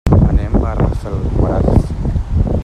Anem a Rafelguaraf.